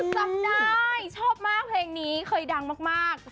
จำได้ชอบมากเพลงนี้เคยดังมาก